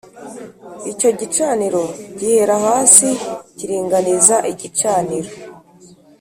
icyo gicaniro gihera hasi kiringaniza igicaniro